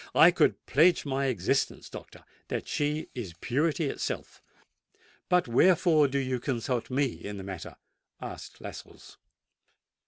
I could pledge my existence, doctor, that she is purity itself." "But wherefore do you consult me in the matter?" asked Lascelles.